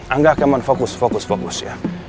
angga temen fokus fokus fokus ya